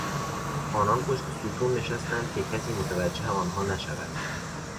آنان پشت ستون نشستند که کسی متوجه آنها نشود.